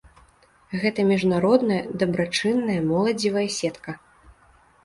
Гэта міжнародная дабрачынная моладзевая сетка.